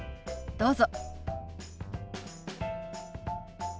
どうぞ。